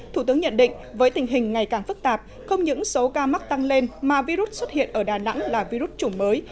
thủ tướng nhận định với tình hình ngày càng phức tạp không những số ca mắc tăng lên mà virus xuất hiện ở đà nẵng là virus chủng mới